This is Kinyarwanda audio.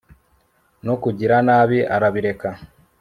no kugira nabi, arabireka